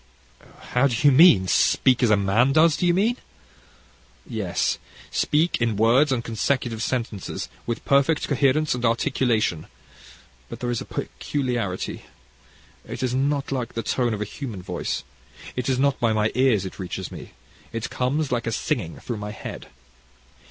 How do you mean speak as a man does, do you mean?" "Yes; speak in words and consecutive sentences, with perfect coherence and articulation; but there is a peculiarity. It is not like the tone of a human voice. It is not by my ears it reaches me it comes like a singing through my head.